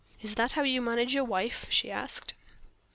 "Is that how you manage your wife?" she asked.